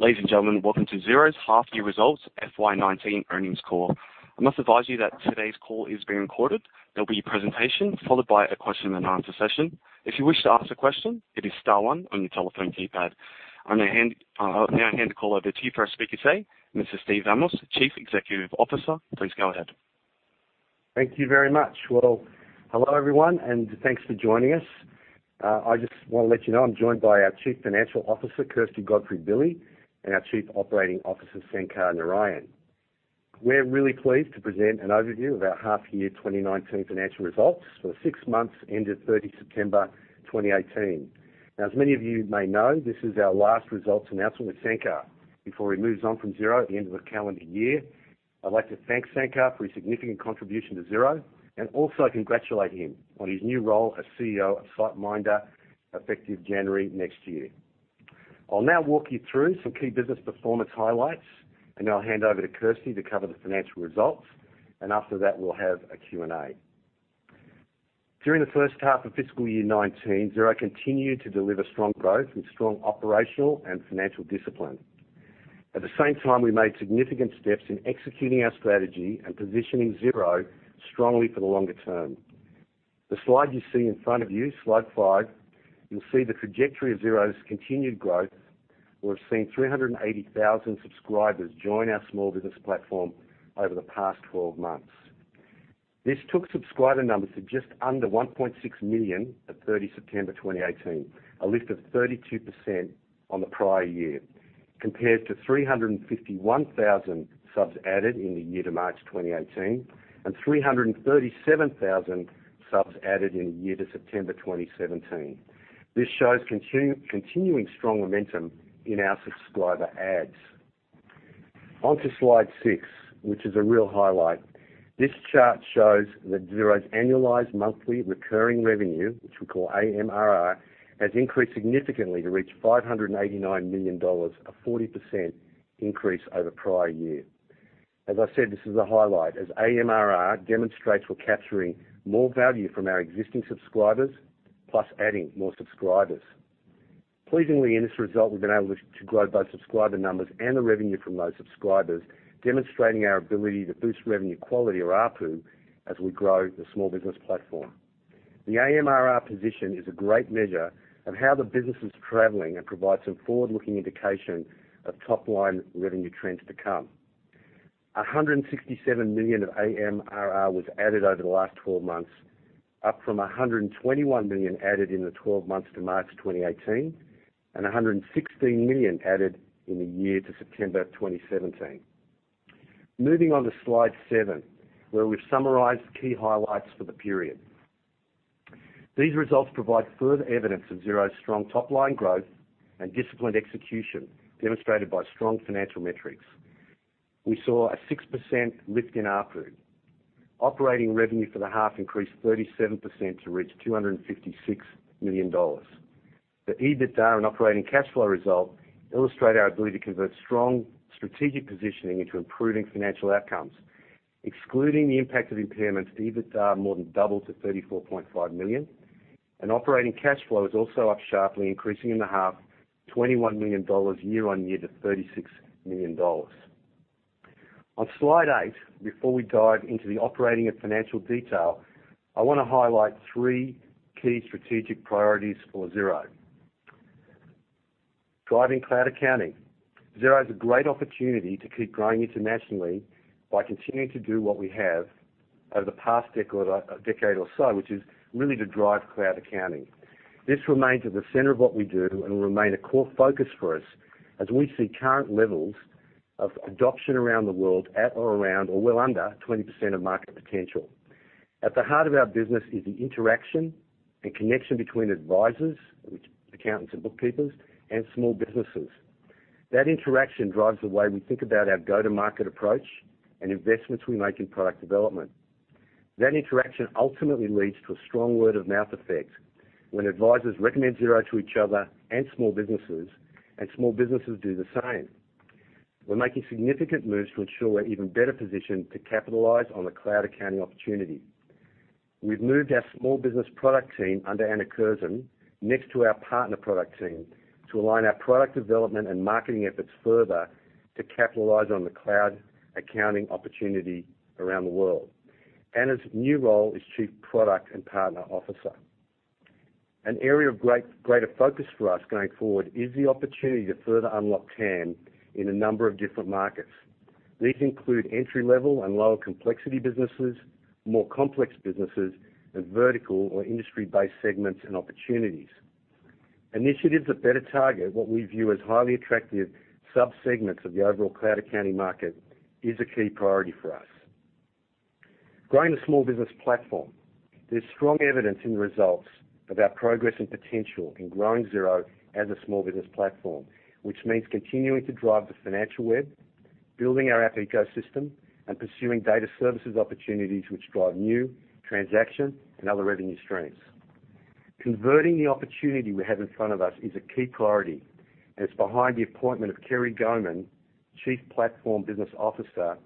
Ladies and gentlemen, welcome to Xero's half year results FY 2019 earnings call. I must advise you that today's call is being recorded. There'll be a presentation followed by a question and answer session. If you wish to ask a question, it is star one on your telephone keypad. I'll now hand the call over to you for our speaker today, Mr. Steve Vamos, Chief Executive Officer. Please go ahead. Thank you very much. Well, hello everyone, and thanks for joining us. I just want to let you know I'm joined by our Chief Financial Officer, Kirsty Godfrey-Billy, and our Chief Operating Officer, Sankar Narayan. We're really pleased to present an overview of our half year 2019 financial results for the six months ending 30 September 2018. Now, as many of you may know, this is our last results announcement with Sankar before he moves on from Xero at the end of the calendar year. I'd like to thank Sankar for his significant contribution to Xero, and also congratulate him on his new role as CEO of SiteMinder, effective January next year. I'll now walk you through some key business performance highlights, and I'll hand over to Kirsty to cover the financial results, and after that, we'll have a Q&A. During the first half of fiscal year 2019, Xero continued to deliver strong growth and strong operational and financial discipline. At the same time, we made significant steps in executing our strategy and positioning Xero strongly for the longer term. The slide you see in front of you, slide five, you'll see the trajectory of Xero's continued growth. We've seen 380,000 subscribers join our small business platform over the past 12 months. This took subscriber numbers to just under 1.6 million at 30 September 2018, a lift of 32% on the prior year, compared to 351,000 subs added in the year to March 2018, and 337,000 subs added in the year to September 2017. This shows continuing strong momentum in our subscriber adds. Onto slide six, which is a real highlight. This chart shows that Xero's annualized monthly recurring revenue, which we call AMRR, has increased significantly to reach 589 million dollars, a 40% increase over prior year. As I said, this is a highlight, as AMRR demonstrates we're capturing more value from our existing subscribers, plus adding more subscribers. Pleasingly in this result, we've been able to grow both subscriber numbers and the revenue from those subscribers, demonstrating our ability to boost revenue quality or ARPU as we grow the small business platform. The AMRR position is a great measure of how the business is traveling and provides some forward-looking indication of top-line revenue trends to come. 167 million of AMRR was added over the last 12 months, up from 121 million added in the 12 months to March 2018, and 116 million added in the year to September 2017. Moving on to slide seven, where we've summarized key highlights for the period. These results provide further evidence of Xero's strong top-line growth and disciplined execution, demonstrated by strong financial metrics. We saw a 6% lift in ARPU. Operating revenue for the half increased 37% to reach 256 million dollars. The EBITDA and operating cash flow result illustrate our ability to convert strong strategic positioning into improving financial outcomes. Excluding the impact of impairments, EBITDA more than doubled to 34.5 million, and operating cash flow is also up sharply, increasing in the half 21 million dollars year-on-year to 36 million dollars. On slide eight, before we dive into the operating and financial detail, I want to highlight three key strategic priorities for Xero. Driving cloud accounting. Xero has a great opportunity to keep growing internationally by continuing to do what we have over the past decade or so, which is really to drive cloud accounting. This remains at the center of what we do and will remain a core focus for us as we see current levels of adoption around the world at or around or well under 20% of market potential. At the heart of our business is the interaction and connection between advisors, which accountants and bookkeepers, and small businesses. That interaction drives the way we think about our go-to-market approach and investments we make in product development. That interaction ultimately leads to a strong word-of-mouth effect when advisors recommend Xero to each other and small businesses, and small businesses do the same. We're making significant moves to ensure we're even better positioned to capitalize on the cloud accounting opportunity. We've moved our small business product team under Anna Curzon next to our partner product team to align our product development and marketing efforts further to capitalize on the cloud accounting opportunity around the world. Anna's new role is Chief Product and Partner Officer. An area of greater focus for us going forward is the opportunity to further unlock TAM in a number of different markets. These include entry-level and lower complexity businesses, more complex businesses, and vertical or industry-based segments and opportunities. Initiatives that better target what we view as highly attractive sub-segments of the overall cloud accounting market is a key priority for us. Growing the small business platform. There's strong evidence in the results of our progress and potential in growing Xero as a small business platform, which means continuing to drive the Financial web, building our app ecosystem, and pursuing data services opportunities which drive new transaction and other revenue streams. Converting the opportunity we have in front of us is a key priority, and it's behind the appointment of Keri Gohman, Chief Platform Business Officer,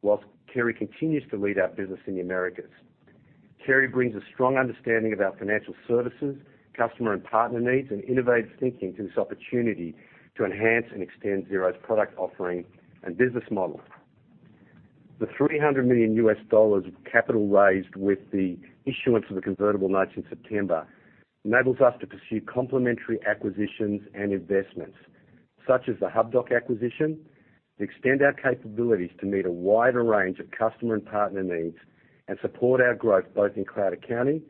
whilst Kerry continues to lead our business in the Americas. Kerry brings a strong understanding of our financial services, customer and partner needs, and innovative thinking to this opportunity to enhance and extend Xero's product offering and business model. The $300 million of capital raised with the issuance of the convertible notes in September enables us to pursue complementary acquisitions and investments, such as the Hubdoc acquisition, to extend our capabilities to meet a wider range of customer and partner needs and support our growth both in cloud accounting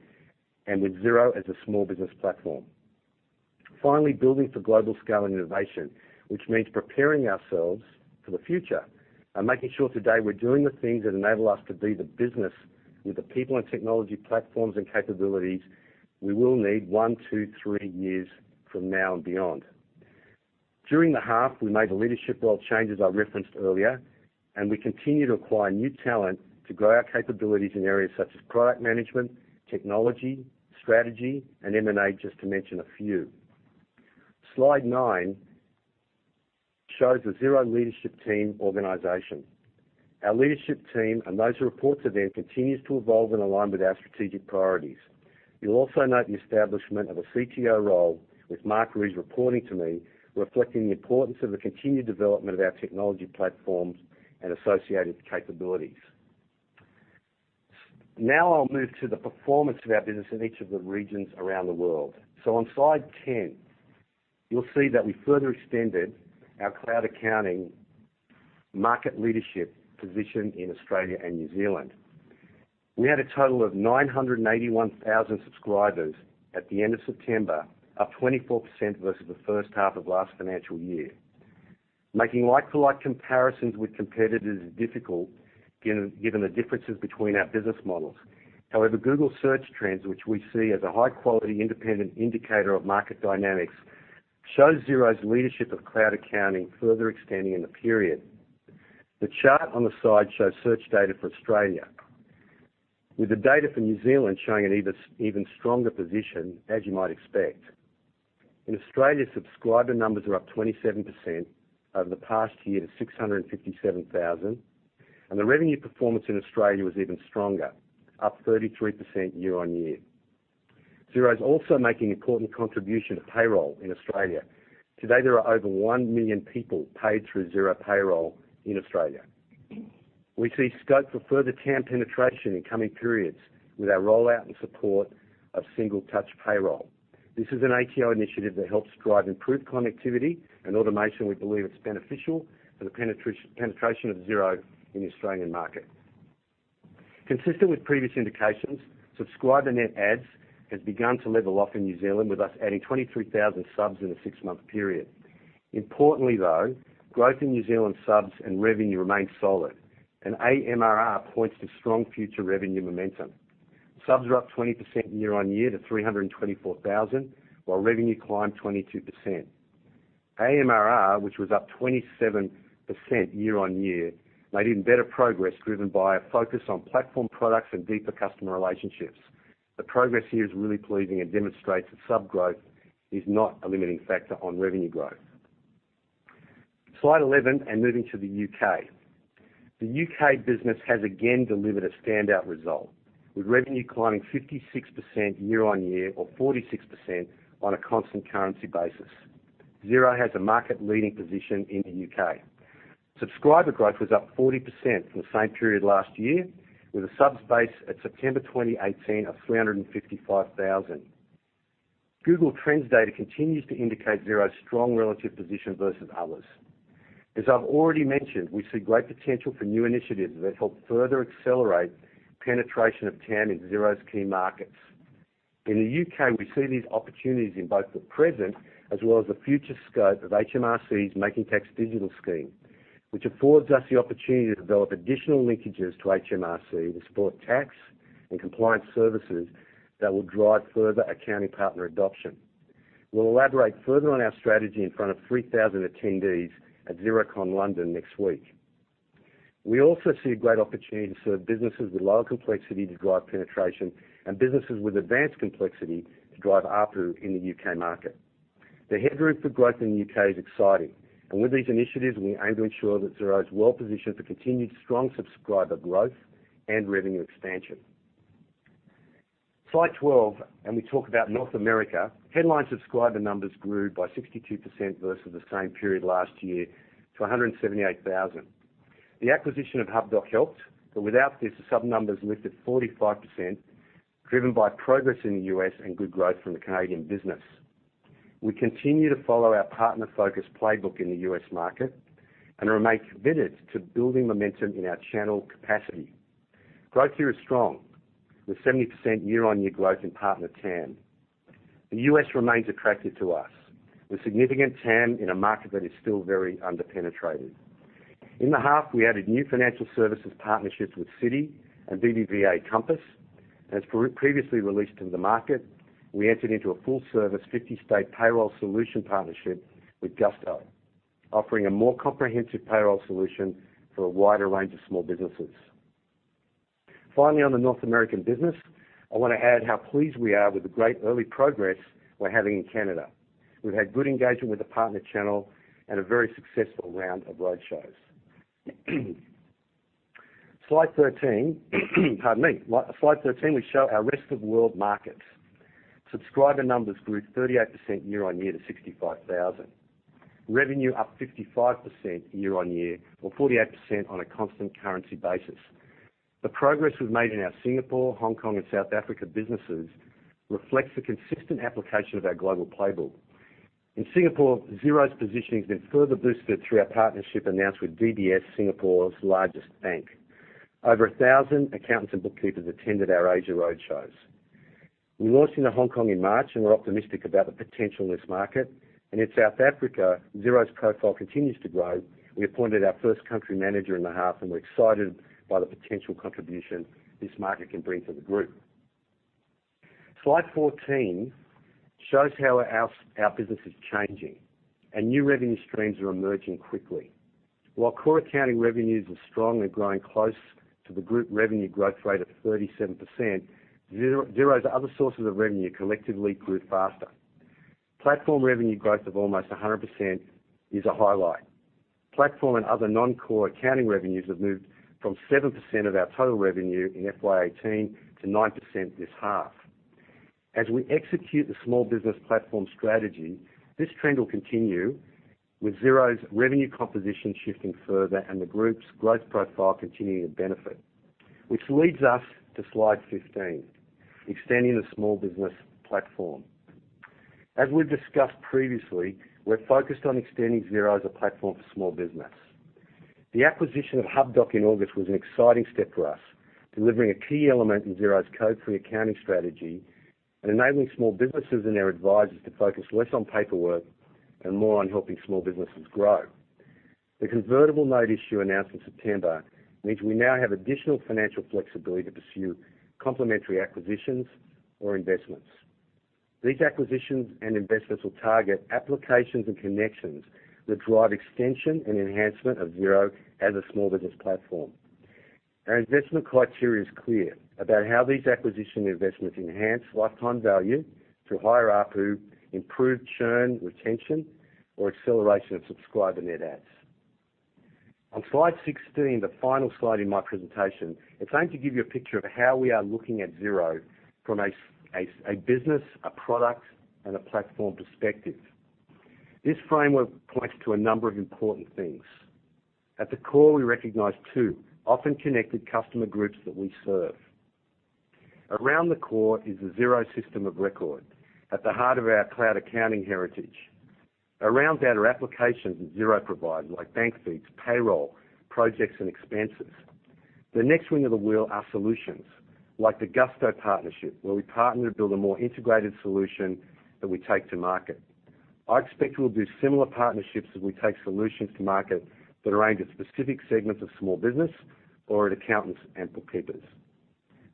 and with Xero as a small business platform. Finally, building for global scale and innovation, which means preparing ourselves for the future and making sure today we're doing the things that enable us to be the business with the people and technology platforms and capabilities we will need one, two, three years from now and beyond. During the half, we made the leadership role changes I referenced earlier, and we continue to acquire new talent to grow our capabilities in areas such as product management, technology, strategy, and M&A, just to mention a few. Slide nine shows the Xero leadership team organization. Our leadership team and those who report to them continues to evolve and align with our strategic priorities. You'll also note the establishment of a CTO role, with Mark Rees reporting to me, reflecting the importance of the continued development of our technology platforms and associated capabilities. I'll move to the performance of our business in each of the regions around the world. On slide 10, you'll see that we further extended our cloud accounting market leadership position in Australia and New Zealand. We had a total of 981,000 subscribers at the end of September, up 24% versus the first half of last financial year. Making like-for-like comparisons with competitors is difficult, given the differences between our business models. However, Google Search Trends, which we see as a high-quality independent indicator of market dynamics, shows Xero's leadership of cloud accounting further extending in the period. The chart on the side shows search data for Australia, with the data for New Zealand showing an even stronger position as you might expect. In Australia, subscriber numbers are up 27% over the past year to 657,000, and the revenue performance in Australia was even stronger, up 33% year on year. Xero's also making important contribution to payroll in Australia. Today, there are over one million people paid through Xero Payroll in Australia. We see scope for further TAM penetration in coming periods with our rollout and support of Single Touch Payroll. This is an ATO initiative that helps drive improved connectivity and automation we believe is beneficial for the penetration of Xero in the Australian market. Consistent with previous indications, subscriber net adds has begun to level off in New Zealand, with us adding 23,000 subs in a six-month period. Importantly, though, growth in New Zealand subs and revenue remains solid, and AMRR points to strong future revenue momentum. Subs are up 20% year on year to 324,000, while revenue climbed 22%. AMRR, which was up 27% year on year, made even better progress driven by a focus on platform products and deeper customer relationships. The progress here is really pleasing and demonstrates that sub growth is not a limiting factor on revenue growth. Slide 11, moving to the U.K. The U.K. business has again delivered a standout result, with revenue climbing 56% year on year or 46% on a constant currency basis. Xero has a market-leading position in the U.K. Subscriber growth was up 40% from the same period last year, with a subs base at September 2018 of 355,000. Google Trends data continues to indicate Xero's strong relative position versus others. As I've already mentioned, we see great potential for new initiatives that help further accelerate penetration of TAM in Xero's key markets. In the U.K., we see these opportunities in both the present as well as the future scope of HMRC's Making Tax Digital scheme, which affords us the opportunity to develop additional linkages to HMRC to support tax and compliance services that will drive further accounting partner adoption. We'll elaborate further on our strategy in front of 3,000 attendees at Xerocon London next week. We also see great opportunity to serve businesses with lower complexity to drive penetration and businesses with advanced complexity to drive ARPU in the U.K. market. The headroom for growth in the U.K. is exciting. With these initiatives, we aim to ensure that Xero is well-positioned for continued strong subscriber growth and revenue expansion. Slide 12, we talk about North America. Headline subscriber numbers grew by 62% versus the same period last year to 178,000. The acquisition of Hubdoc helped, but without this, the sub numbers lifted 45%, driven by progress in the U.S. and good growth from the Canadian business. We continue to follow our partner-focused playbook in the U.S. market and remain committed to building momentum in our channel capacity. Growth here is strong, with 70% year-on-year growth in partner TAM. The U.S. remains attractive to us, with significant TAM in a market that is still very under-penetrated. In the half, we added new financial services partnerships with Citi and BBVA Compass. As previously released in the market, we entered into a full-service 50-state payroll solution partnership with Gusto, offering a more comprehensive payroll solution for a wider range of small businesses. Finally, on the North American business, I want to add how pleased we are with the great early progress we're having in Canada. We've had good engagement with the partner channel and a very successful round of roadshows. Slide 13, pardon me. Slide 13, we show our rest of world markets. Subscriber numbers grew 38% year-on-year to 65,000. Revenue up 55% year-on-year or 48% on a constant currency basis. The progress we've made in our Singapore, Hong Kong, and South Africa businesses reflects the consistent application of our global playbook. In Singapore, Xero's positioning has been further boosted through our partnership announced with DBS Bank, Singapore's largest bank. Over 1,000 accountants and bookkeepers attended our Asia road shows. We launched into Hong Kong in March and we're optimistic about the potential in this market. In South Africa, Xero's profile continues to grow. We appointed our first country manager in the half, and we're excited by the potential contribution this market can bring to the group. Slide 14 shows how our business is changing. New revenue streams are emerging quickly. While core accounting revenues are strong and growing close to the group revenue growth rate of 37%, Xero's other sources of revenue collectively grew faster. Platform revenue growth of almost 100% is a highlight. Platform and other non-core accounting revenues have moved from 7% of our total revenue in FY 2018 to 9% this half. As we execute the small business platform strategy, this trend will continue with Xero's revenue composition shifting further and the group's growth profile continuing to benefit. Which leads us to slide 15, extending the small business platform. As we've discussed previously, we're focused on extending Xero as a platform for small business. The acquisition of Hubdoc in August was an exciting step for us, delivering a key element in Xero's code-free accounting strategy and enabling small businesses and their advisors to focus less on paperwork and more on helping small businesses grow. The convertible note issue announced in September means we now have additional financial flexibility to pursue complementary acquisitions or investments. These acquisitions and investments will target applications and connections that drive extension and enhancement of Xero as a small business platform. Our investment criteria is clear about how these acquisition investments enhance lifetime value through higher ARPU, improved churn, retention, or acceleration of subscriber net adds. On slide 16, the final slide in my presentation, it's going to give you a picture of how we are looking at Xero from a business, a product, and a platform perspective. This framework points to a number of important things. At the core, we recognize two often connected customer groups that we serve. Around the core is the Xero system of record, at the heart of our cloud accounting heritage. Around that are applications that Xero provides, like bank feeds, payroll, projects, and expenses. The next ring of the wheel are solutions, like the Gusto partnership, where we partner to build a more integrated solution that we take to market. I expect we'll do similar partnerships as we take solutions to market that are aimed at specific segments of small business or at accountants and bookkeepers.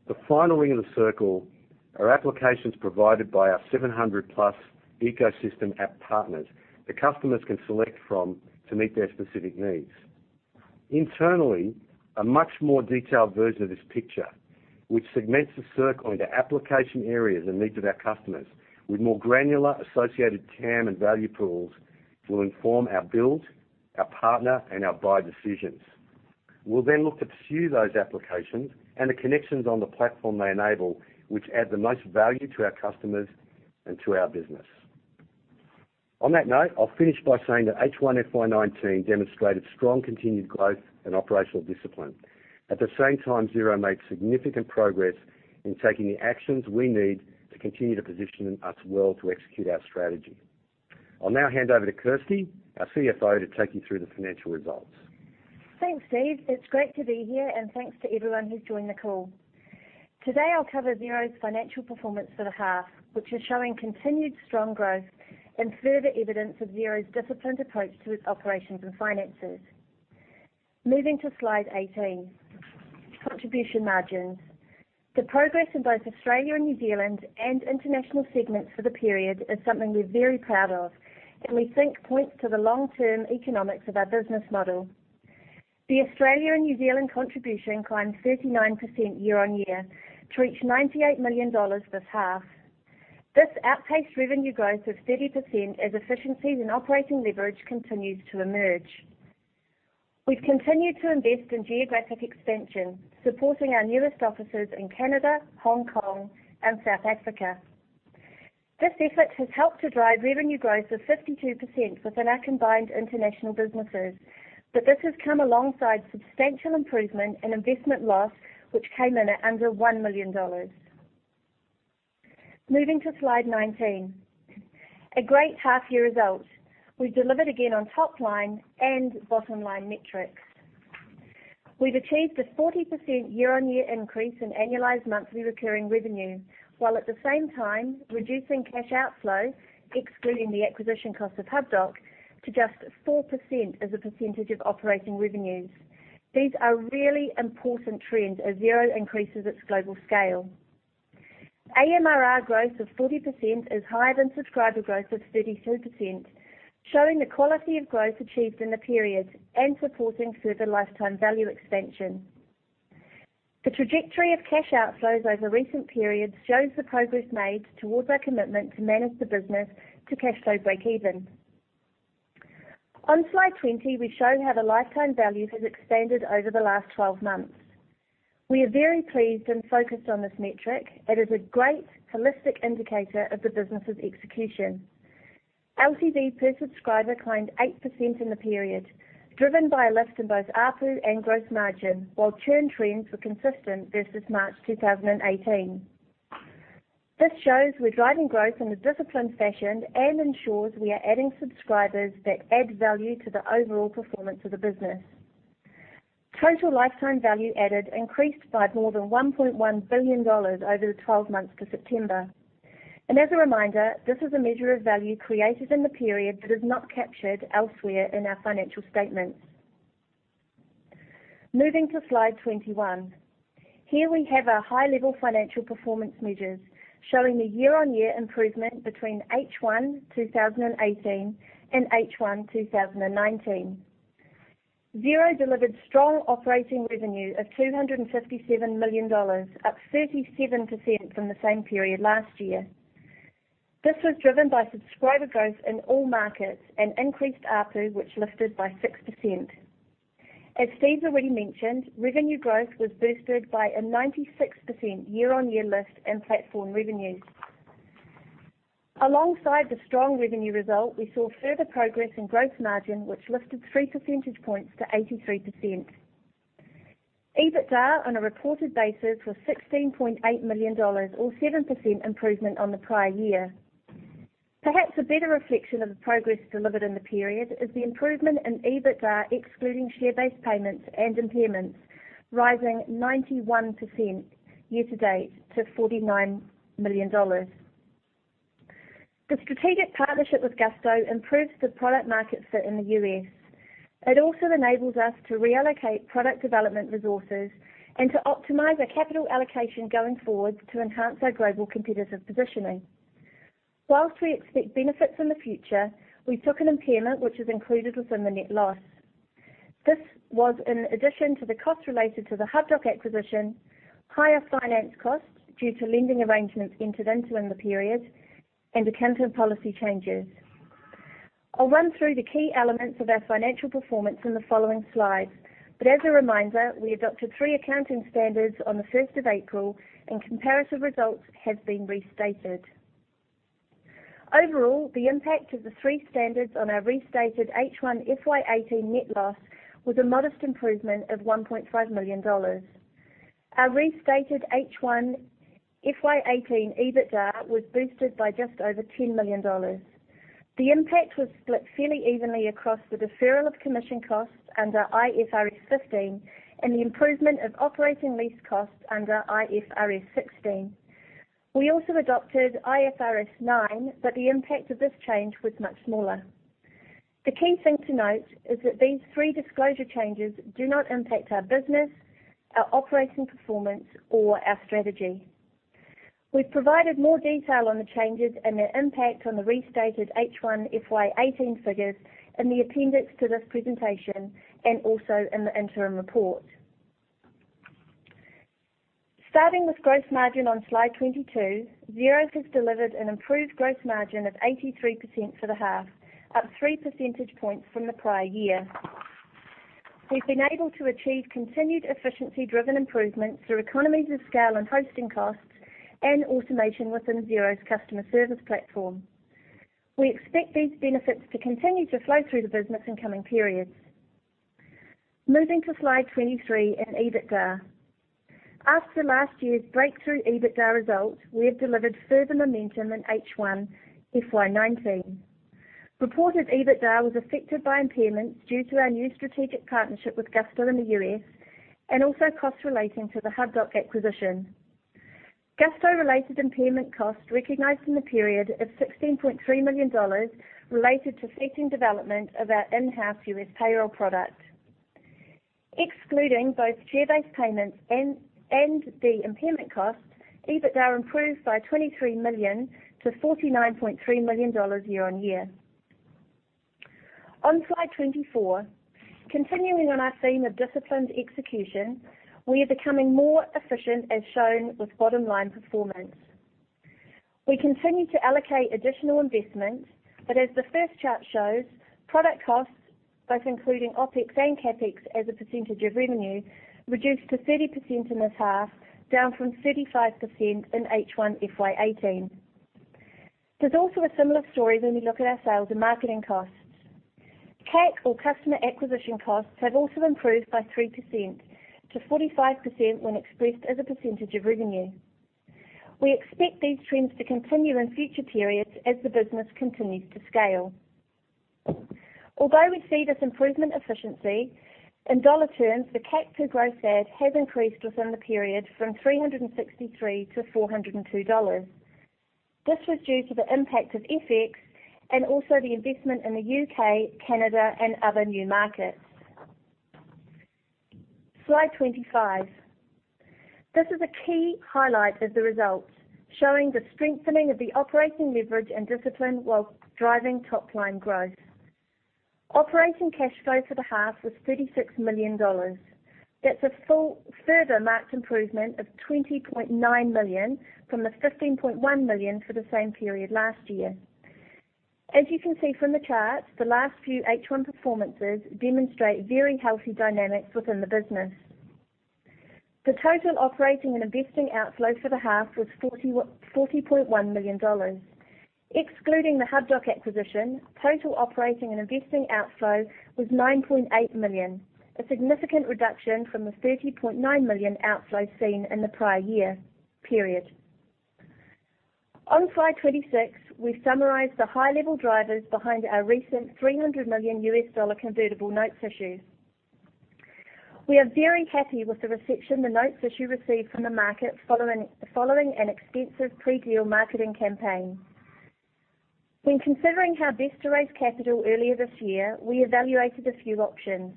The final ring of the circle are applications provided by our 700-plus ecosystem app partners the customers can select from to meet their specific needs. Internally, a much more detailed version of this picture, which segments the circle into application areas and needs of our customers with more granular associated TAM and value pools, will inform our build, our partner, and our buy decisions. We'll then look to pursue those applications and the connections on the platform they enable, which add the most value to our customers and to our business. On that note, I'll finish by saying that H1 FY 2019 demonstrated strong continued growth and operational discipline. At the same time, Xero made significant progress in taking the actions we need to continue to position us well to execute our strategy. I'll now hand over to Kirsty, our CFO, to take you through the financial results. Thanks, Steve. It's great to be here, and thanks to everyone who's joined the call. Today, I'll cover Xero's financial performance for the half, which is showing continued strong growth and further evidence of Xero's disciplined approach to its operations and finances. Moving to slide 18, contribution margins. The progress in both Australia and New Zealand and international segments for the period is something we're very proud of and we think points to the long-term economics of our business model. The Australia and New Zealand contribution climbed 39% year-on-year to reach 98 million dollars this half. This outpaced revenue growth of 30% as efficiencies in operating leverage continues to emerge. We've continued to invest in geographic expansion, supporting our newest offices in Canada, Hong Kong, and South Africa. This effort has helped to drive revenue growth of 52% within our combined international businesses, but this has come alongside substantial improvement in investment loss, which came in at under 1 million dollars. Moving to slide 19, a great half-year result. We've delivered again on top line and bottom-line metrics. We've achieved a 40% year-on-year increase in annualized monthly recurring revenue, while at the same time reducing cash outflow, excluding the acquisition cost of Hubdoc, to just 4% as a percentage of operating revenues. These are really important trends as Xero increases its global scale. AMRR growth of 40% is higher than subscriber growth of 33%, showing the quality of growth achieved in the period and supporting further lifetime value expansion. The trajectory of cash outflows over recent periods shows the progress made towards our commitment to manage the business to cash flow breakeven. On slide 20, we show how the lifetime value has expanded over the last 12 months. We are very pleased and focused on this metric. It is a great holistic indicator of the business's execution. LTV per subscriber climbed 8% in the period, driven by a lift in both ARPU and gross margin, while churn trends were consistent versus March 2018. This shows we're driving growth in a disciplined fashion and ensures we are adding subscribers that add value to the overall performance of the business. Total lifetime value added increased by more than 1.1 billion dollars over the 12 months to September. As a reminder, this is a measure of value created in the period that is not captured elsewhere in our financial statements. Moving to slide 21. Here we have our high-level financial performance measures showing the year-on-year improvement between H1 2018 and H1 2019. Xero delivered strong operating revenue of 257 million dollars, up 37% from the same period last year. This was driven by subscriber growth in all markets and increased ARPU, which lifted by 6%. As Steve's already mentioned, revenue growth was boosted by a 96% year-on-year lift in platform revenue. Alongside the strong revenue result, we saw further progress in gross margin, which lifted 3 percentage points to 83%. EBITDA on a reported basis was 16.8 million dollars, or 7% improvement on the prior year. Perhaps a better reflection of the progress delivered in the period is the improvement in EBITDA, excluding share-based payments and impairments, rising 91% year-to-date to 49 million dollars. The strategic partnership with Gusto improves the product market fit in the U.S. It also enables us to reallocate product development resources and to optimize our capital allocation going forward to enhance our global competitive positioning. Whilst we expect benefits in the future, we took an impairment which is included within the net loss. This was in addition to the cost related to the Hubdoc acquisition, higher finance costs due to lending arrangements entered into in the period, and accounting policy changes. I'll run through the key elements of our financial performance in the following slides, but as a reminder, we adopted 3 accounting standards on the 5th of April, and comparative results have been restated. Overall, the impact of the 3 standards on our restated H1 FY 2018 net loss was a modest improvement of NZD 1.5 million. Our restated H1 FY 2018 EBITDA was boosted by just over 10 million dollars. The impact was split fairly evenly across the deferral of commission costs under IFRS 15 and the improvement of operating lease costs under IFRS 16. We also adopted IFRS 9, but the impact of this change was much smaller. The key thing to note is that these three disclosure changes do not impact our business, our operating performance, or our strategy. We've provided more detail on the changes and their impact on the restated H1 FY 2018 figures in the appendix to this presentation and also in the interim report. Starting with gross margin on slide 22, Xero has delivered an improved gross margin of 83% for the half, up three percentage points from the prior year. We've been able to achieve continued efficiency-driven improvements through economies of scale and hosting costs and automation within Xero's customer service platform. We expect these benefits to continue to flow through the business in coming periods. Moving to slide 23 in EBITDA. After last year's breakthrough EBITDA result, we have delivered further momentum in H1 FY 2019. Reported EBITDA was affected by impairments due to our new strategic partnership with Gusto in the U.S. and also costs relating to the Hubdoc acquisition. Gusto-related impairment costs recognized in the period of $16.3 million related to ceasing development of our in-house U.S. Payroll product. Excluding both share-based payments and the impairment cost, EBITDA improved by 23 million to 49.3 million dollars year-on-year. On slide 24, continuing on our theme of disciplined execution, we are becoming more efficient as shown with bottom-line performance. As the first chart shows, product costs, both including OpEx and CapEx as a percentage of revenue, reduced to 30% in this half, down from 35% in H1 FY 2018. There's also a similar story when we look at our sales and marketing costs. CAC, or customer acquisition costs, have also improved by 3% to 45% when expressed as a percentage of revenue. We expect these trends to continue in future periods as the business continues to scale. Although we see this improvement efficiency, in dollar terms, the CAC to gross add has increased within the period from 363 to 402 dollars. This was due to the impact of FX and also the investment in the U.K., Canada, and other new markets. Slide 25. This is a key highlight of the results, showing the strengthening of the operating leverage and discipline while driving top-line growth. Operating cash flow for the half was 36 million dollars. That's a further marked improvement of 20.9 million from the 15.1 million for the same period last year. As you can see from the chart, the last few H1 performances demonstrate very healthy dynamics within the business. The total operating and investing outflows for the half was 40.1 million dollars. Excluding the Hubdoc acquisition, total operating and investing outflow was 9.8 million, a significant reduction from the 30.9 million outflow seen in the prior year period. On slide 26, we've summarized the high-level drivers behind our recent $300 million convertible notes issue. We are very happy with the reception the notes issue received from the market following an extensive pre-deal marketing campaign. When considering how best to raise capital earlier this year, we evaluated a few options.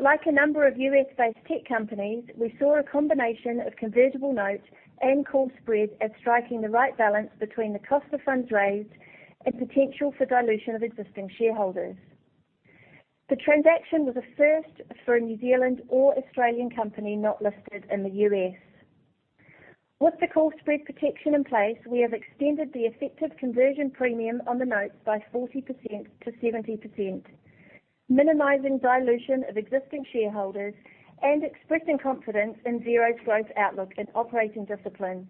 Like a number of U.S.-based tech companies, we saw a combination of convertible notes and call spread as striking the right balance between the cost of funds raised and potential for dilution of existing shareholders. The transaction was a first for a New Zealand or Australian company not listed in the U.S. With the call spread protection in place, we have extended the effective conversion premium on the notes by 40%-70%, minimizing dilution of existing shareholders and expressing confidence in Xero's growth outlook and operating discipline.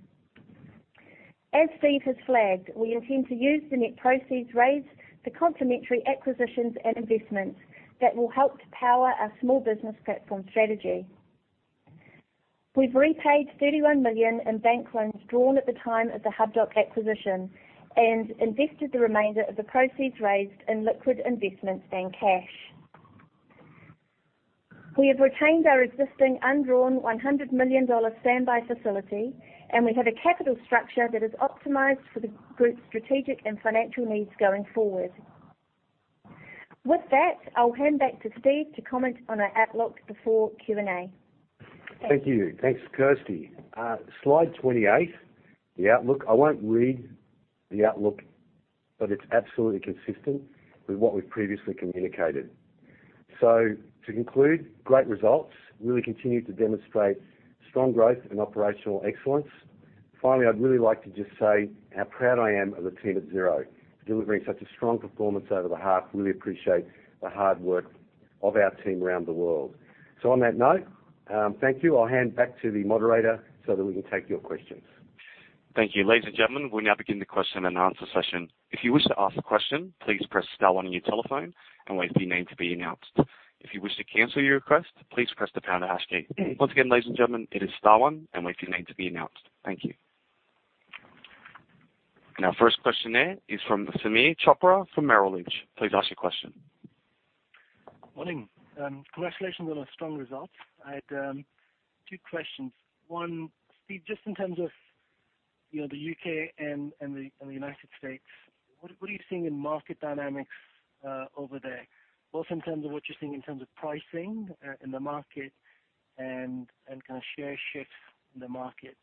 As Steve has flagged, we intend to use the net proceeds raised for complementary acquisitions and investments that will help to power our small business platform strategy. We've repaid 31 million in bank loans drawn at the time of the Hubdoc acquisition and invested the remainder of the proceeds raised in liquid investments and cash. We have retained our existing undrawn 100 million dollar standby facility, and we have a capital structure that is optimized for the group's strategic and financial needs going forward. With that, I'll hand back to Steve to comment on our outlook before Q&A. Thank you. Thanks, Kirsty. Slide 28, the outlook. I won't read the outlook, but it's absolutely consistent with what we've previously communicated. To conclude, great results, really continue to demonstrate strong growth and operational excellence. Finally, I'd really like to just say how proud I am of the team at Xero for delivering such a strong performance over the half. Really appreciate the hard work of our team around the world. On that note, thank you. I'll hand back to the moderator so that we can take your questions. Thank you. Ladies and gentlemen, we now begin the question and answer session. If you wish to ask a question, please press star one on your telephone and wait for your name to be announced. If you wish to cancel your request, please press the pound or hash key. Once again, ladies and gentlemen, it is star one and wait for your name to be announced. Thank you. Our first question there is from Sameer Chopra from Merrill Lynch. Please ask your question. Morning. Congratulations on a strong result. I had two questions. One, Steve, just in terms of the U.K. and the United States, what are you seeing in market dynamics over there, both in terms of what you're seeing in terms of pricing in the market and share shifts in the market?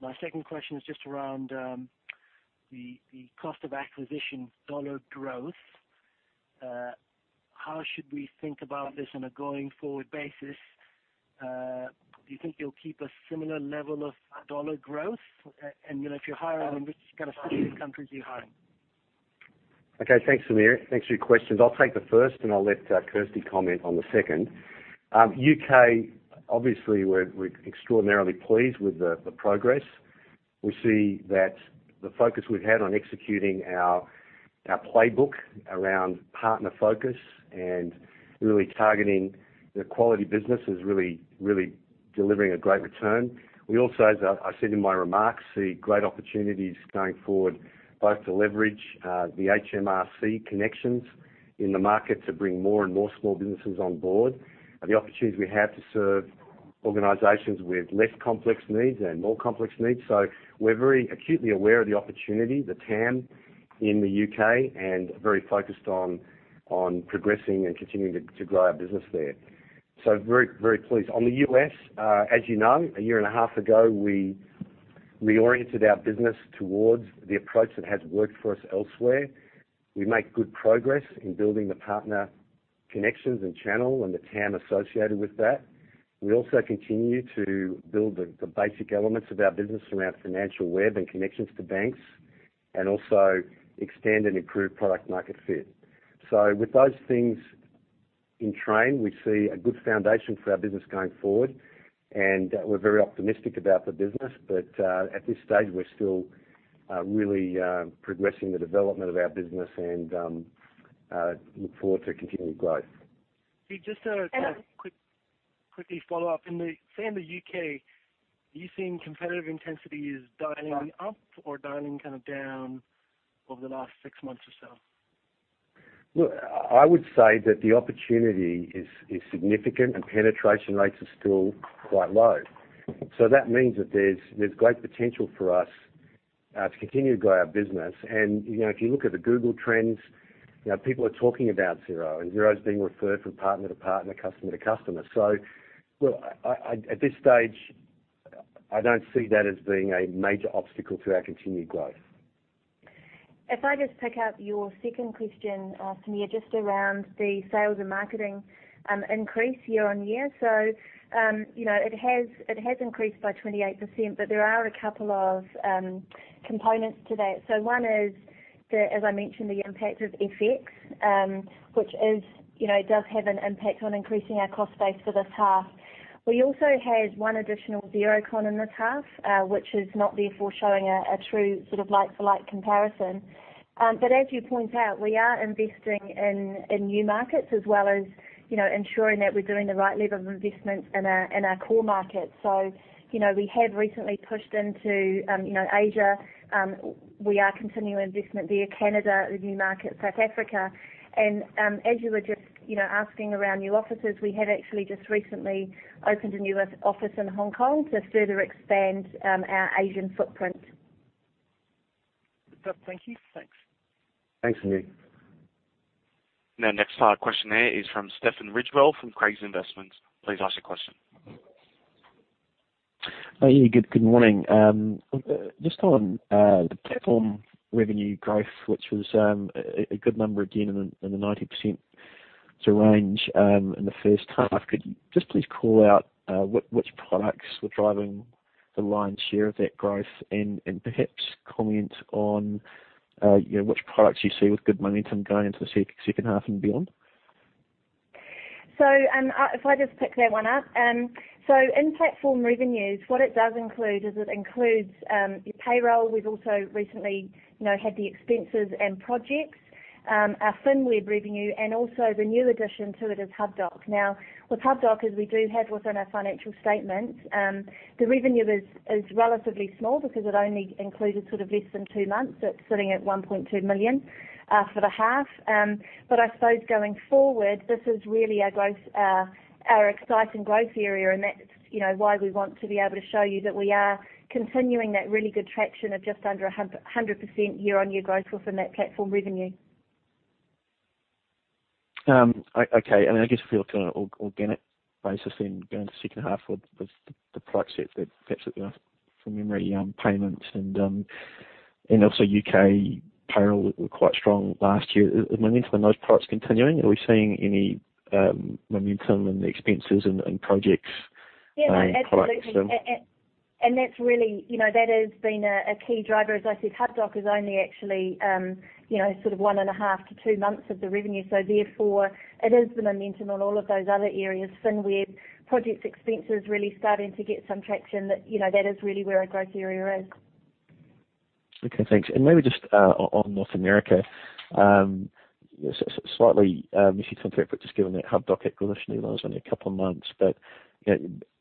My second question is just around the cost of acquisition NZD growth. How should we think about this on a going-forward basis? Do you think you'll keep a similar level of NZD growth? If you're hiring, which kind of specific countries are you hiring? Thanks, Sameer. Thanks for your questions. I'll take the first, and I'll let Kirsty comment on the second. U.K., obviously, we're extraordinarily pleased with the progress. We see that the focus we've had on executing our playbook around partner focus and really targeting the quality business is really delivering a great return. We also, as I said in my remarks, see great opportunities going forward, both to leverage the HMRC connections in the market to bring more and more small businesses on board, and the opportunities we have to serve organizations with less complex needs and more complex needs. We're very acutely aware of the opportunity, the TAM in the U.K., and very focused on progressing and continuing to grow our business there. Very pleased. On the U.S., as you know, a year and a half ago, we reoriented our business towards the approach that has worked for us elsewhere. We make good progress in building the partner connections and channel and the TAM associated with that. We also continue to build the basic elements of our business from our Financial web and connections to banks, and also extend and improve product market fit. With those things in train, we see a good foundation for our business going forward, and we're very optimistic about the business. At this stage, we're still really progressing the development of our business and look forward to continued growth. Steve, just a quick follow-up. Say, in the U.K., are you seeing competitive intensity is dialing up or dialing down over the last six months or so? Look, I would say that the opportunity is significant, and penetration rates are still quite low. That means that there's great potential for us to continue to grow our business. If you look at the Google Trends, people are talking about Xero, and Xero is being referred from partner to partner, customer to customer. Look, at this stage, I don't see that as being a major obstacle to our continued growth. If I just pick up your second question, Sameer, just around the sales and marketing increase year-over-year. It has increased by 28%, but there are a couple of components to that. One is, as I mentioned, the impact of FX, which does have an impact on increasing our cost base for this half. We also have one additional Xerocon in this half, which is not therefore showing a true like-for-like comparison. As you point out, we are investing in new markets as well as ensuring that we're doing the right level of investment in our core markets. We have recently pushed into Asia. We are continuing investment via Canada, the new market, South Africa. As you were just asking around new offices, we have actually just recently opened a new office in Hong Kong to further expand our Asian footprint. Thank you. Thanks. Thanks, Sameer. Next to our questionnaire is from Stephen Ridgewell from Craigs Investment Partners. Please ask your question. Good morning. On the platform revenue growth, which was a good number again in the 90% range in the first half, could you just please call out which products were driving the lion's share of that growth? Perhaps comment on which products you see with good momentum going into the second half and beyond. If I just pick that one up. In platform revenues, what it does include is it includes your payroll. We've also recently had the expenses and projects, our FinWeb revenue, and also the new addition to it is Hubdoc. With Hubdoc, as we do have within our financial statements, the revenue is relatively small because it only included less than two months. It's sitting at 1.2 million for the half. I suppose going forward, this is really our exciting growth area, and that's why we want to be able to show you that we are continuing that really good traction of just under 100% year-on-year growth within that platform revenue. Okay. I guess if we look on an organic basis then going into second half with the product set that perhaps from memory, payments and also U.K. payroll were quite strong last year. Is momentum on those products continuing? Are we seeing any momentum in the expenses and projects products? Yeah, absolutely. That has been a key driver. As I said, Hubdoc is only actually one and a half to two months of the revenue. Therefore, it is the momentum on all of those other areas, FinWeb, projects, expenses, really starting to get some traction that is really where our growth area is. Okay, thanks. Maybe just on North America, slightly messy compare, but just given that Hubdoc acquisition, even though it's only a couple of months, but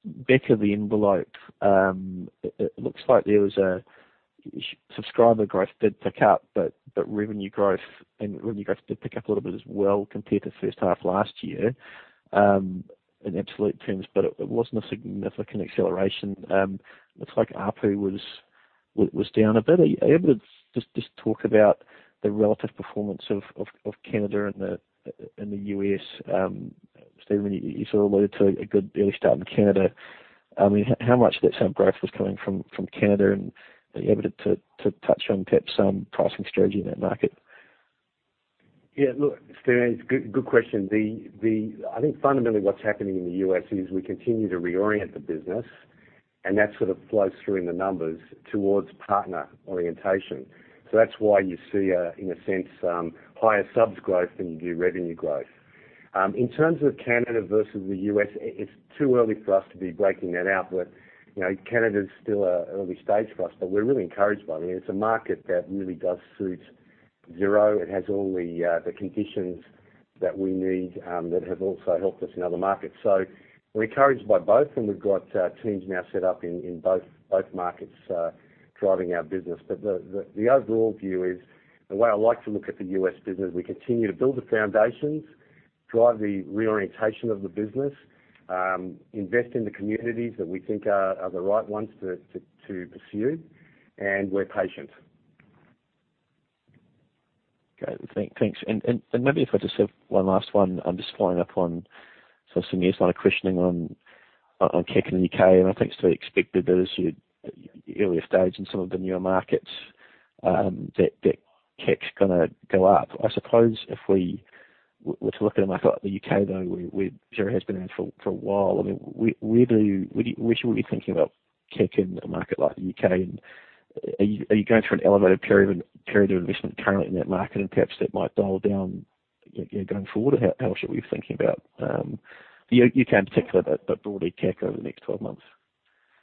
back of the envelope, it looks like there was a subscriber growth did pick up, but revenue growth did pick up a little bit as well compared to first half last year in absolute terms, but it wasn't a significant acceleration. Looks like ARPU was down a bit. Are you able to just talk about the relative performance of Canada and the U.S.? Steve, you sort of alluded to a good early start in Canada. How much of that growth was coming from Canada and are you able to touch on perhaps some pricing strategy in that market? Yeah, look, Steve, it's a good question. Fundamentally what's happening in the U.S. is we continue to reorient the business. That sort of flows through in the numbers towards partner orientation. That's why you see, in a sense, higher subs growth than you do revenue growth. In terms of Canada versus the U.S., it's too early for us to be breaking that out. Canada is still early stage for us, but we're really encouraged by them. It's a market that really does suit Xero. It has all the conditions that we need that have also helped us in other markets. We're encouraged by both, and we've got teams now set up in both markets driving our business. The overall view is the way I like to look at the U.S. business. We continue to build the foundations, drive the reorientation of the business, invest in the communities that we think are the right ones to pursue. We're patient. Okay, thanks. Maybe if I just have one last one, I'm just following up on some recent line of questioning on CAC in the U.K. I think it's very expected that as you're earlier stage in some of the newer markets, that CAC's going to go up. I suppose if we were to look at a market like the U.K., though, where Xero has been around for a while, where should we be thinking about CAC in a market like the U.K.? Are you going through an elevated period of investment currently in that market? Perhaps that might dial down going forward? How should we be thinking about the U.K. in particular, but broadly CAC over the next 12 months?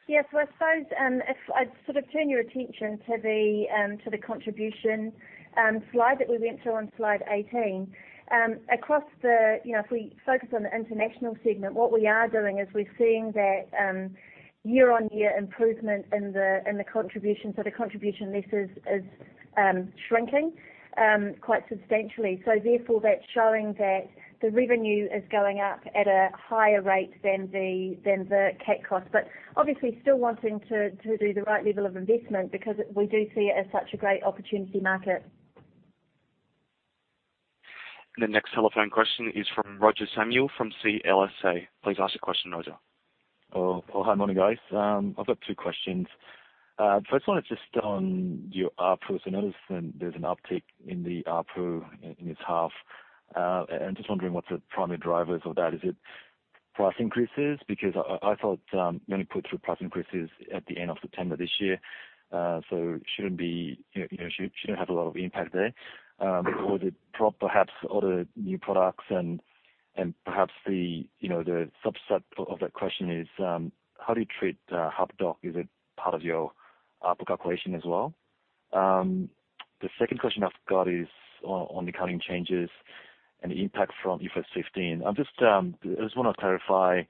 Yeah. I suppose if I turn your attention to the contribution slide that we went to on slide 18. If we focus on the international segment, what we are doing is we're seeing that year-on-year improvement in the contribution. The contribution losses is shrinking quite substantially. Therefore, that's showing that the revenue is going up at a higher rate than the CAC cost. Obviously, still wanting to do the right level of investment because we do see it as such a great opportunity market. The next telephone question is from Roger Samuel from CLSA. Please ask your question, Roger. Hi morning guys. I've got two questions. First one is just on your ARPU. Notice there's an uptick in the ARPU in this half. Just wondering what's the primary drivers of that. Is it price increases? Because I thought you only put through price increases at the end of September this year. Shouldn't have a lot of impact there. Or perhaps all the new products and perhaps the subset of that question is, how do you treat Hubdoc? Is it part of your ARPU calculation as well? The second question I've got is on accounting changes and the impact from IFRS 15. I just want to clarify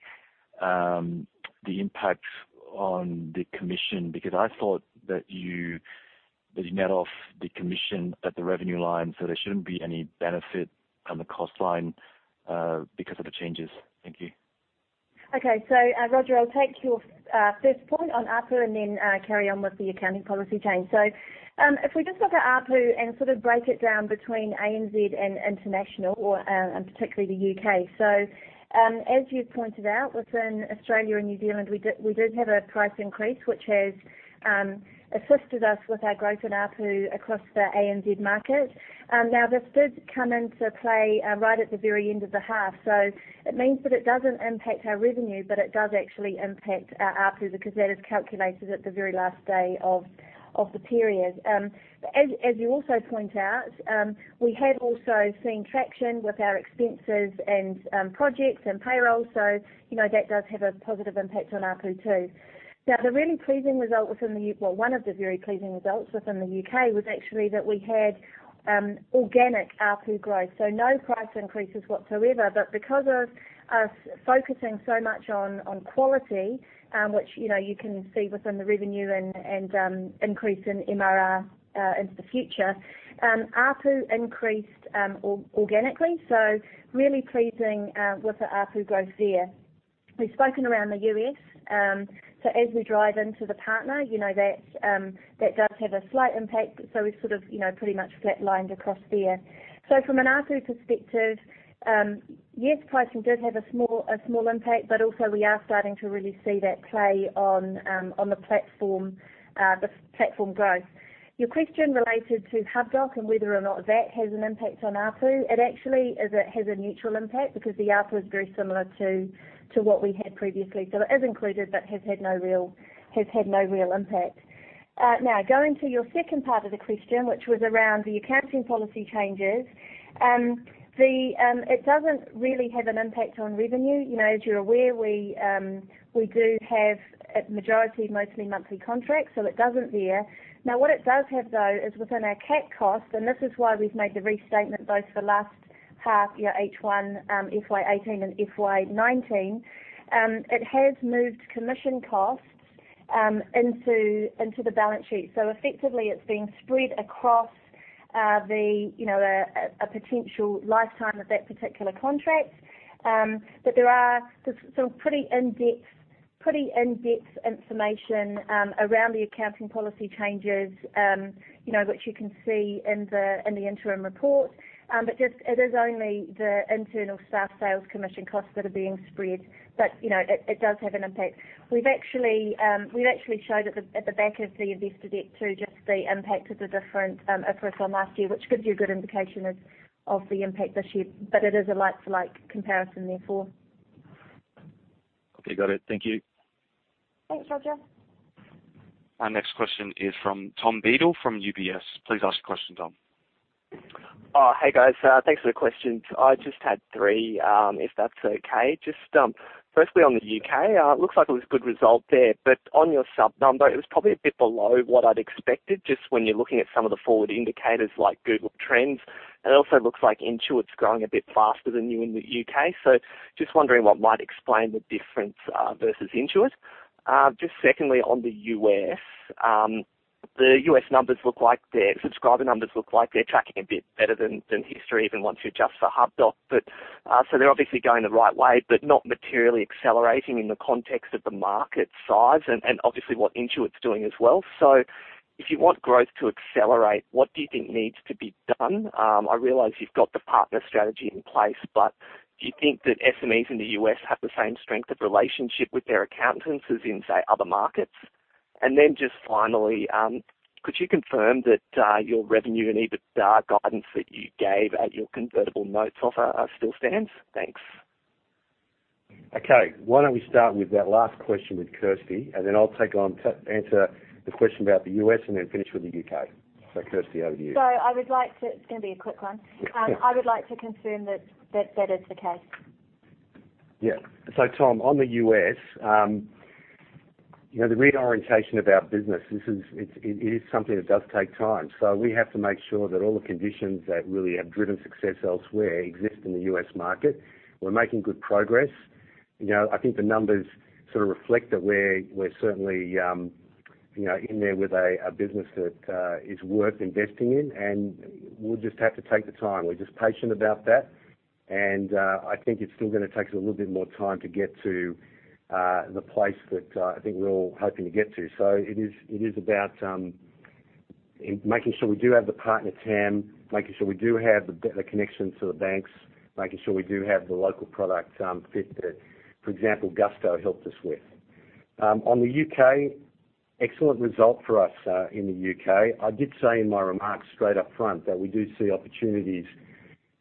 the impact on the commission, because I thought that you net off the commission at the revenue line, there shouldn't be any benefit on the cost line, because of the changes. Thank you. Okay. Roger, I'll take your first point on ARPU and then carry on with the accounting policy change. If we just look at ARPU and sort of break it down between ANZ and international, and particularly the U.K. As you pointed out within Australia and New Zealand, we did have a price increase, which has assisted us with our growth in ARPU across the ANZ market. Now, this did come into play right at the very end of the half. It means that it doesn't impact our revenue, but it does actually impact our ARPU because that is calculated at the very last day of the period. As you also point out, we have also seen traction with our expenses and projects and payroll. That does have a positive impact on ARPU too. One of the very pleasing results within the U.K. was actually that we had organic ARPU growth. No price increases whatsoever, because of us focusing so much on quality, which you can see within the revenue and increase in MRR into the future, ARPU increased organically, really pleasing with the ARPU growth there. We've spoken around the U.S., as we drive into the partner, that does have a slight impact. We've sort of pretty much flat-lined across there. From an ARPU perspective, yes, pricing did have a small impact, we are starting to really see that play on the platform growth. Your question related to Hubdoc and whether or not that has an impact on ARPU. It actually has a neutral impact because the ARPU is very similar to what we had previously. It is included but has had no real impact. Going to your second part of the question, which was around the accounting policy changes. It doesn't really have an impact on revenue. As you're aware, we do have a majority mostly monthly contract, it doesn't there. What it does have though, is within our CAC cost, and this is why we've made the restatement both for last half year H1, FY 2018 and FY 2019. It has moved commission costs into the balance sheet. Effectively, it's being spread across a potential lifetime of that particular contract. There are some pretty in-depth information around the accounting policy changes, which you can see in the interim report. It is only the internal staff sales commission costs that are being spread. It does have an impact. We've actually showed at the back of the investor deck too, just the impact of the different IFRS from last year, which gives you a good indication of the impact this year. It is a like-to-like comparison therefore. Okay, got it. Thank you. Thanks, Roger. Our next question is from Tom Beadle from UBS. Please ask your question, Tom. Hey, guys. Thanks for the questions. I just had three, if that's okay. Firstly on the U.K., it looks like it was a good result there, but on your sub number, it was probably a bit below what I'd expected, just when you're looking at some of the forward indicators like Google Trends. It also looks like Intuit's growing a bit faster than you in the U.K. Just wondering what might explain the difference versus Intuit. Secondly, on the U.S. The U.S. subscriber numbers look like they're tracking a bit better than history, even once you adjust for Hubdoc. They're obviously going the right way, but not materially accelerating in the context of the market size and obviously what Intuit's doing as well. If you want growth to accelerate, what do you think needs to be done? I realize you've got the partner strategy in place, but do you think that SMEs in the U.S. have the same strength of relationship with their accountants as in, say, other markets? Just finally, could you confirm that your revenue and EBITDA guidance that you gave at your convertible notes offer still stands? Thanks. Why don't we start with that last question with Kirsty, and then I'll take on to answer the question about the U.S. and then finish with the U.K. Kirsty, over to you. I would like to It's gonna be a quick one. Yeah. I would like to confirm that that is the case. Tom, on the U.S., the reorientation of our business, it is something that does take time. We have to make sure that all the conditions that really have driven success elsewhere exist in the U.S. market. We're making good progress. I think the numbers sort of reflect that we're certainly in there with a business that is worth investing in, and we'll just have to take the time. We're just patient about that. I think it's still going to take us a little bit more time to get to the place that I think we're all hoping to get to. It is about making sure we do have the partner TAM, making sure we do have the connection to the banks, making sure we do have the local product fit that, for example, Gusto helped us with. On the U.K., excellent result for us in the U.K. I did say in my remarks straight up front that we do see opportunities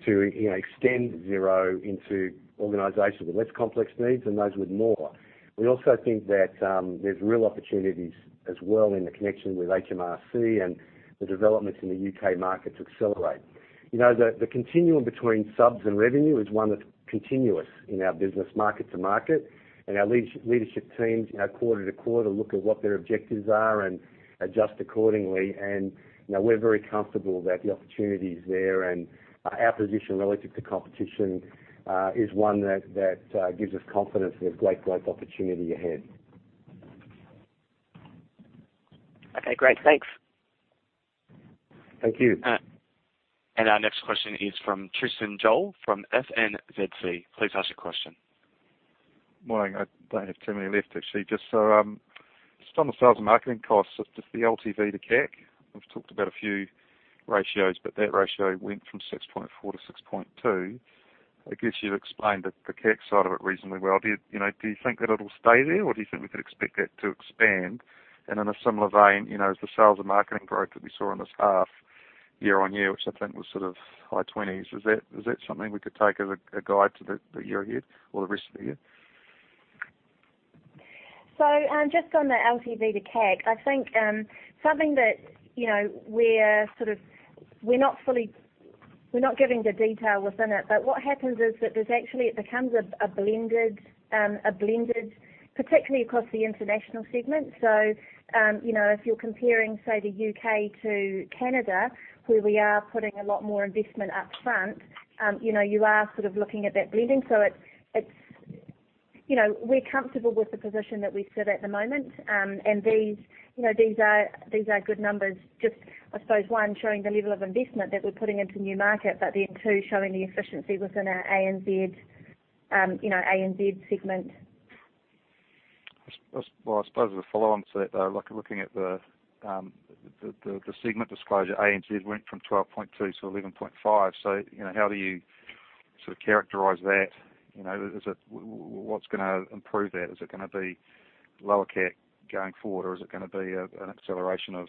to extend Xero into organizations with less complex needs and those with more. We also think that there's real opportunities as well in the connection with HMRC and the developments in the U.K. market to accelerate. The continuum between subs and revenue is one that's continuous in our business market to market, and our leadership teams, quarter to quarter, look at what their objectives are and adjust accordingly. We're very comfortable that the opportunity is there, and our position relative to competition is one that gives us confidence there's great growth opportunity ahead. Okay, great. Thanks. Thank you. Our next question is from Tristan Joll from FNZC. Please ask your question. Morning. I don't have too many left, actually. Just on the sales and marketing costs of just the LTV to CAC. We've talked about a few ratios, but that ratio went from 6.4 to 6.2. I guess you've explained the CAC side of it reasonably well. Do you think that it'll stay there, or do you think we could expect that to expand? In a similar vein, as the sales and marketing growth that we saw in this half, year-over-year, which I think was high 20s, is that something we could take as a guide to the year ahead or the rest of the year? Just on the LTV to CAC, I think something that we're not giving the detail within it, but what happens is that this actually becomes a blended, particularly across the international segment. If you're comparing, say, the U.K. to Canada, where we are putting a lot more investment up front, you are looking at that blending. We're comfortable with the position that we sit at the moment. These are good numbers, just, I suppose, one, showing the level of investment that we're putting into new markets, but then two, showing the efficiency within our ANZ segment. Well, I suppose as a follow-on to that, though, looking at the segment disclosure, ANZ went from 12.2 to 11.5. How do you characterize that? What's going to improve that? Is it going to be lower CAC going forward, or is it going to be an acceleration of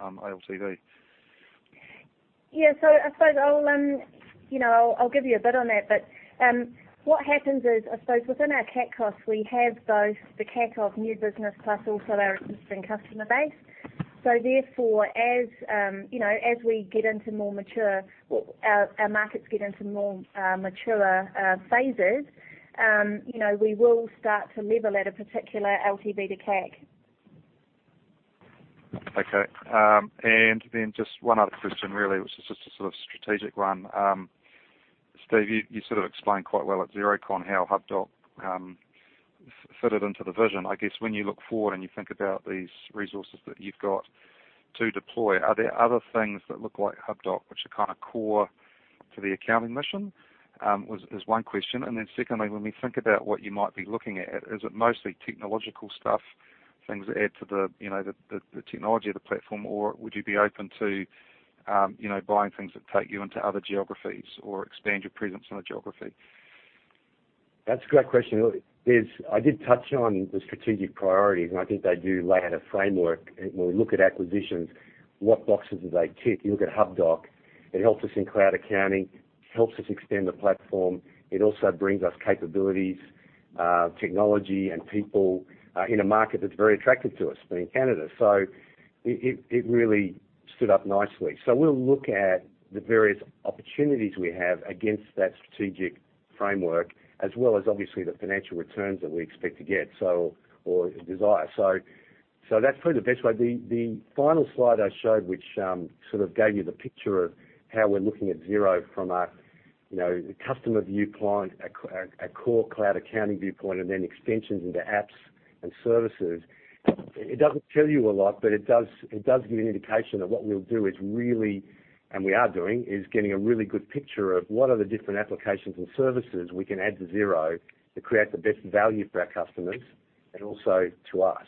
LTV? Yeah. I suppose I'll give you a bit on that. What happens is, I suppose within our CAC costs, we have both the CAC of new business plus also our existing customer base. As our markets get into more maturer phases, we will start to level at a particular LTV to CAC. Okay. Just one other question, really, which is just a sort of strategic one. Steve, you sort of explained quite well at Xerocon how Hubdoc fitted into the vision. I guess when you look forward and you think about these resources that you've got to deploy, are there other things that look like Hubdoc, which are core to the accounting mission? Is one question. Secondly, when we think about what you might be looking at, is it mostly technological stuff, things that add to the technology of the platform, or would you be open to buying things that take you into other geographies or expand your presence in a geography? That's a great question. I did touch on the strategic priorities. I think they do lay out a framework. When we look at acquisitions, what boxes do they tick? You look at Hubdoc, it helps us in cloud accounting, helps us extend the platform. It also brings us capabilities, technology, and people in a market that's very attractive to us, being Canada. It really stood up nicely. We'll look at the various opportunities we have against that strategic framework, as well as obviously the financial returns that we expect to get or desire. That's probably the best way. The final slide I showed, which sort of gave you the picture of how we're looking at Xero from a customer viewpoint, a core cloud accounting viewpoint, and then extensions into apps and services. It doesn't tell you a lot. It does give you an indication that what we'll do is really, and we are doing, is getting a really good picture of what are the different applications and services we can add to Xero to create the best value for our customers and also to us.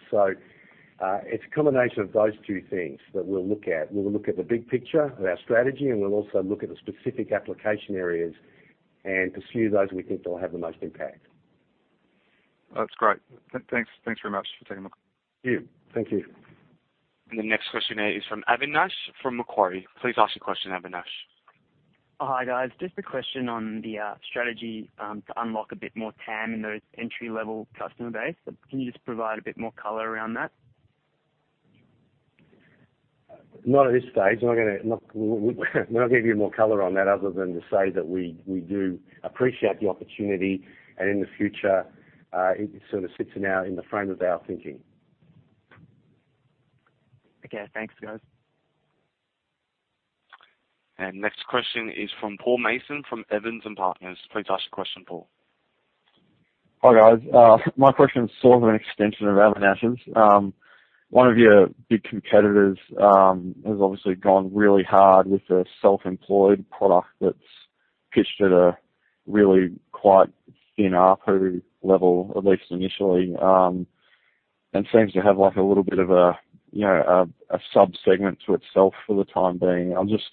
It's a combination of those two things that we'll look at. We'll look at the big picture of our strategy. We'll also look at the specific application areas and pursue those we think that will have the most impact. That's great. Thanks very much for taking the call. Thank you. The next question is from Avinash from Macquarie. Please ask your question, Avinash. Hi, guys. Just a question on the strategy to unlock a bit more TAM in those entry-level customer base. Can you just provide a bit more color around that? Not at this stage. We're not going to give you more color on that other than to say that we do appreciate the opportunity, and in the future, it sort of sits in the frame of our thinking. Okay. Thanks, guys. Next question is from Paul Mason from Evans and Partners. Please ask the question, Paul. Hi, guys. My question is sort of an extension of Alan Ansell's. One of your big competitors has obviously gone really hard with the self-employed product that's pitched at a really quite thin ARPU level, at least initially, and seems to have a little bit of a sub-segment to itself for the time being. I'm just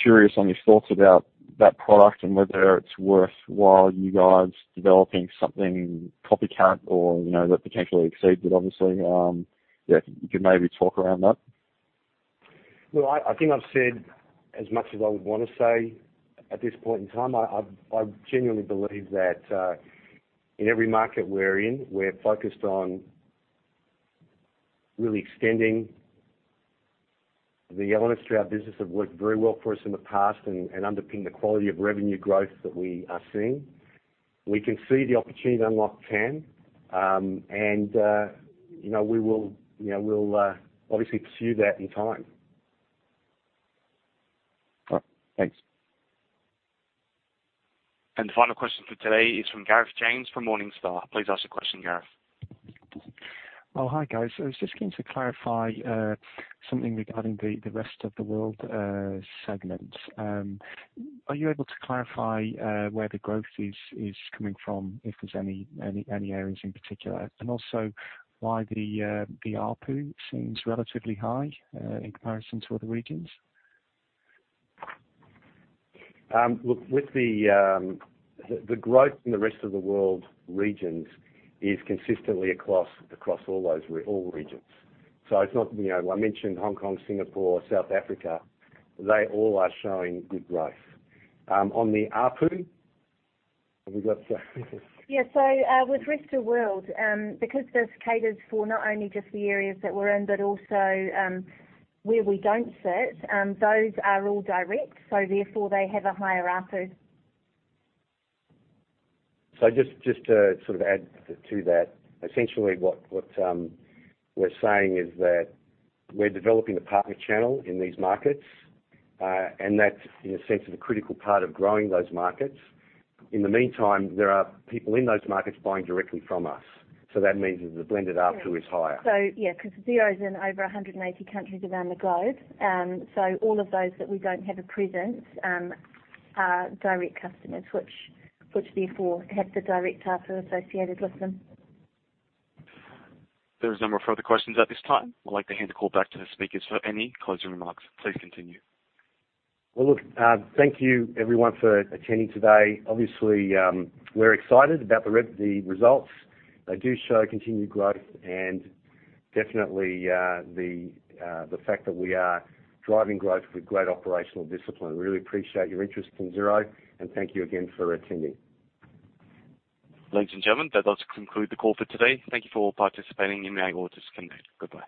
curious on your thoughts about that product and whether it's worthwhile you guys developing something copycat or that potentially exceeds it, obviously. Yeah, if you could maybe talk around that. Well, I think I've said as much as I would want to say at this point in time. I genuinely believe that in every market we're in, we're focused on really extending the elements to our business that worked very well for us in the past and underpin the quality of revenue growth that we are seeing. We can see the opportunity unlock TAM. We'll obviously pursue that in time. All right. Thanks. The final question for today is from Gareth James from Morningstar. Please ask the question, Gareth. Hi, guys. I was just keen to clarify something regarding the Rest of the World segment. Are you able to clarify where the growth is coming from, if there's any areas in particular? Also why the ARPU seems relatively high in comparison to other regions. The growth in the Rest of the World regions is consistently across all regions. I mentioned Hong Kong, Singapore, South Africa, they all are showing good growth. On the ARPU, have we got the Yeah. With Rest of World, because this caters for not only just the areas that we're in, but also where we don't sit, those are all direct, therefore they have a higher ARPU. Just to sort of add to that, essentially what we're saying is that we're developing the partner channel in these markets. That's in a sense, is a critical part of growing those markets. In the meantime, there are people in those markets buying directly from us. That means that the blended ARPU is higher. Yeah, because Xero's in over 180 countries around the globe. All of those that we don't have a presence are direct customers, which therefore have the direct ARPU associated with them. There is no more further questions at this time. I'd like to hand the call back to the speakers for any closing remarks. Please continue. Well, look, thank you everyone for attending today. Obviously, we're excited about the results. They do show continued growth and definitely the fact that we are driving growth with great operational discipline. Really appreciate your interest in Xero, and thank you again for attending. Ladies and gentlemen, that does conclude the call for today. Thank you for participating in the Augur's convey. Goodbye.